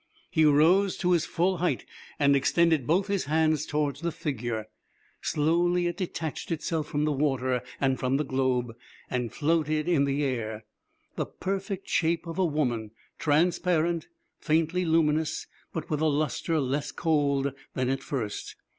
He rose to his full height, and extended both his hands toward the figure. Slowly it detached itself from the water and from the globe, and floated in the air, the perfect shape of a woman, transparent, faintly luminous, but with a lustre less cold than at first.